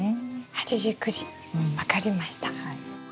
８時９時分かりました。